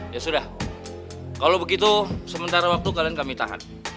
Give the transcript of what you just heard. ya sudah kalau begitu sementara waktu kalian kami tahan